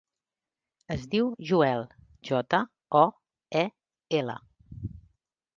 Es diu Joel: jota, o, e, ela.